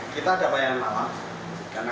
kita ada bayangan lama